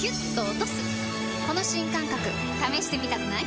この新感覚試してみたくない？